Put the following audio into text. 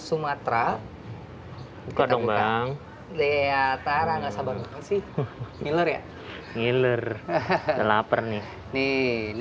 sumatera buka dong bang ya tara nggak sabar banget sih ngiler ya ngiler laper nih nih ini sudah berhasil menangis